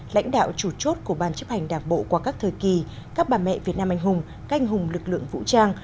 lãnh đạo chủ chốt của ban chấp hành đảng bộ qua các thời kỳ các bà mẹ việt nam anh hùng canh hùng lực lượng vũ trang